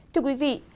thưa quý vị